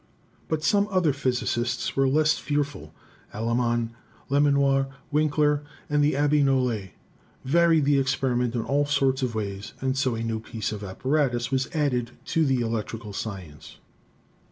But some other physicists were less fearful. Allaman, Lemoinnier, Winckler and the Abbe Nollet varied the experiment in all sorts of ways, and so a new piece of apparatus was added to electrical science.